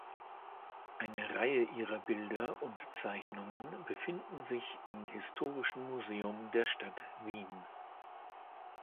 Eine Reihe ihrer Bilder und Zeichnungen befinden sich im Historischen Museum der Stadt Wien.